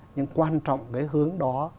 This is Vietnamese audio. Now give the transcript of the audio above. nhưng quan trọng cái hướng đó